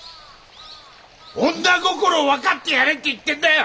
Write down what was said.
女心を分かってやれって言ってんだよ！